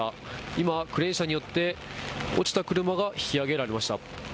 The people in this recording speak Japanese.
今クレーン車によって落ちた車が引き上げられました。